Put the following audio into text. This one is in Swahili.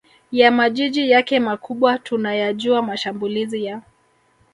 ya majiji yake makubwa Tunayajua mashambulizi ya